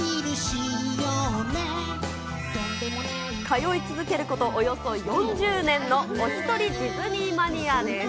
通い続けること、およそ４０年のお１人ディズニーマニアです。